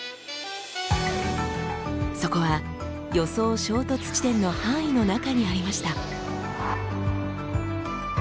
そこは予想衝突地点の範囲の中にありました。